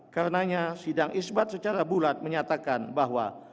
karenanya sidang isbat secara bulat menyatakan bahwa